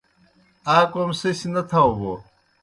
آ کوْم سہ سیْ نہ تھاؤ بوْ